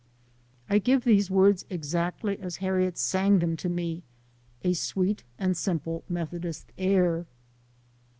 I give these words exactly as Harriet sang them to me to a sweet and simple Methodist air.